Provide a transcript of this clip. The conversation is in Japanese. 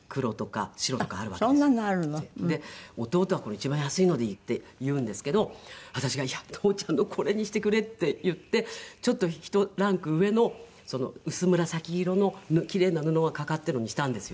で弟はこの一番安いのでいいって言うんですけど私が「いや父ちゃんのこれにしてくれ」って言ってちょっとひとランク上の薄紫色の奇麗な布がかかっているのにしたんですよ。